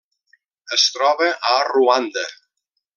Es troba a Ruanda.